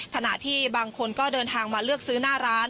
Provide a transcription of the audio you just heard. ขณะที่บางคนก็เดินทางมาเลือกซื้อหน้าร้าน